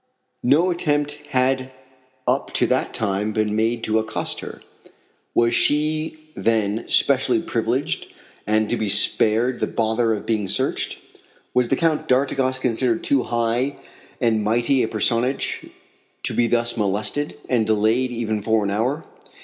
No attempt had up to that time been made to accost her. Was she, then, specially privileged, and to be spared the bother of being searched? Was the Count d'Artigas considered too high and mighty a personage to be thus molested, and delayed even for an hour?